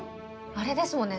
あれですもんね